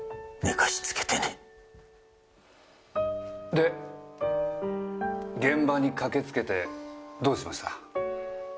で現場に駆けつけてどうしました？